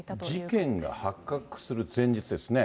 事件が発覚する前日ですね。